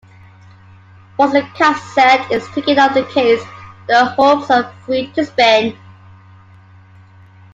Once the cassette is taken off the case, the hubs are free to spin.